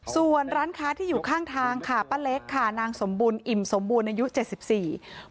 ส่วนร้านค้าที่อยู่ข้างทางค่ะป้าเล็กค่ะนางสมบูรณ์อิ่มสมบูรณ์ในยุค๗๔